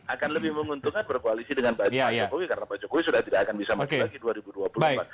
akan lebih menguntungkan berkoalisi dengan baik pak jokowi karena pak jokowi sudah tidak akan bisa maju lagi dua ribu dua puluh empat